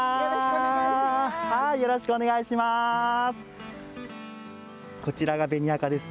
よろしくお願いします。